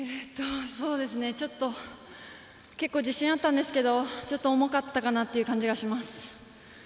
ちょっと結構、自信あったんですけどちょっと重かったかなという感じがします。